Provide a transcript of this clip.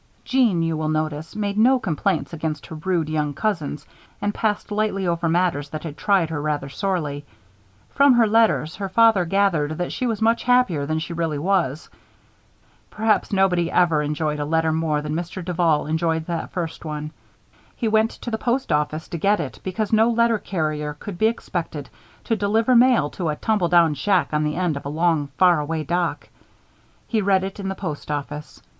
Jeanne, you will notice, made no complaints against her rude young cousins and passed lightly over matters that had tried her rather sorely. From her letters, her father gathered that she was much happier than she really was. Perhaps nobody ever enjoyed a letter more than Mr. Duval enjoyed that first one. He went to the post office to get it because no letter carrier could be expected to deliver mail to a tumble down shack on the end of a long, far away dock. He read it in the post office.